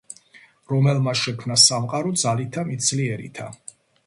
რომელმან შექმნა სამყარო ძალითა მით ძლიერითა,